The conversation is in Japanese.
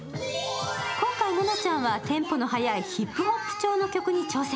今回ののちゃんはテンポの速いヒップホップ調の曲に挑戦。